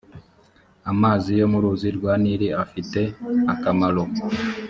amazi yo mu ruzi rwa nili afite akamaro.